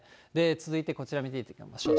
続いてこちら見ていきましょう。